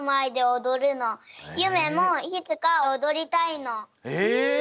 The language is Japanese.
ゆめもいつかおどりたいの。え！？